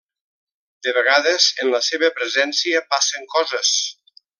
De vegades en la seva presència passen coses.